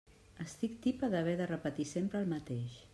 Estic tipa d'haver de repetir sempre el mateix.